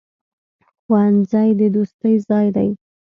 ښوونځی د دوستۍ ځای دی.